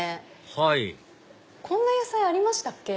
はいこんな野菜ありましたっけ？